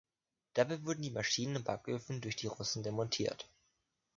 Dabei wurden die Maschinen und Backöfen durch die Russen demontiert.